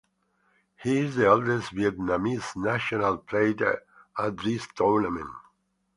He is the oldest Vietnamese national player at this tournament.